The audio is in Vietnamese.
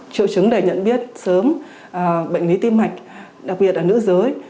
triệu chứng để nhận biết sớm bệnh lý tim mạch đặc biệt là nữ giới